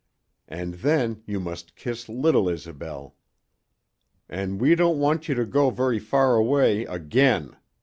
"And then you must kiss little Isobel. And we don't want you to go very far away again.